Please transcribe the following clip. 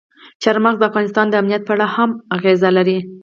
چار مغز د افغانستان د امنیت په اړه هم اغېز لري.